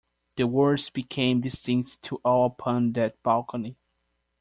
The words became distinct to all upon that balcony.